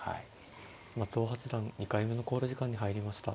松尾八段２回目の考慮時間に入りました。